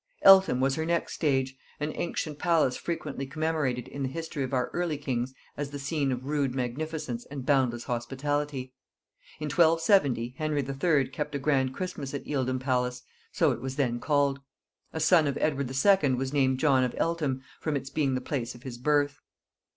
Eltham was her next stage; an ancient palace frequently commemorated in the history of our early kings as the scene of rude magnificence and boundless hospitality. In 1270 Henry III. kept a grand Christmas at Ealdham palace, so it was then called. A son of Edward II. was named John of Eltham, from its being the place of his birth.